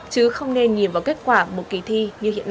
chứ không nên nhìn vào kết quả một kỳ thi như hiện nay